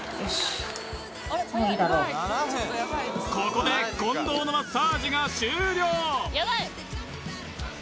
ここで近藤のマッサージが終了